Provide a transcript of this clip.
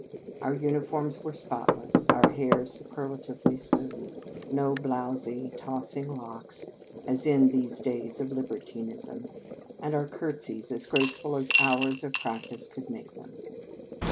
Our uniforms were spotless, our hair superlatively smooth, no blowsy, tossing locks, as in these days of lib ertinism, and our curtsies as graceful as hours of practice could make them.